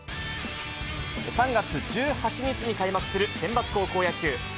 ３月１８日に開幕するセンバツ高校野球。